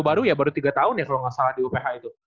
baru ya baru tiga tahun ya kalau nggak salah di uph itu